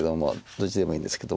どっちでもいいんですけど。